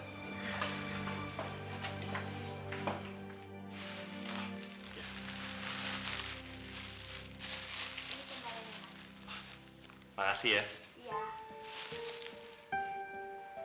terima kasih dok